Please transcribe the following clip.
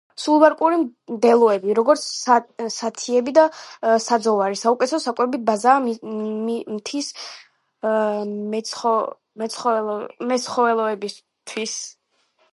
სუბალპური მდელოები, როგორც სათიბი და საძოვარი, საუკეთესო საკვები ბაზაა მთის მეცხოველეობისათვის.